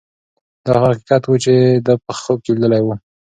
دا هغه حقیقت و چې ده په خوب کې لیدلی و.